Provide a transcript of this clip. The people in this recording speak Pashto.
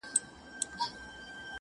ستا د دې ښکلي ځوانیه سره علم ښه ښکارېږي,